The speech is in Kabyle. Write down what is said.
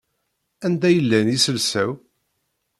Anda i llan yiselsa-w?